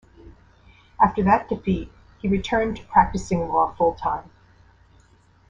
After that defeat, he returned to practicing law full-time.